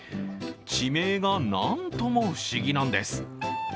地名がなんとも不思議なんです。